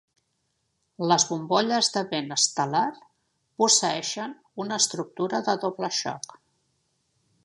Les bombolles de vent estel·lar posseeixen una estructura de doble xoc.